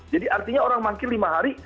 jadi artinya orang mangkir lima hari